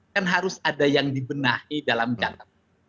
kan harus ada yang dibenahi dalam jangka